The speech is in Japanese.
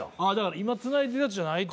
今つないでるやつじゃない。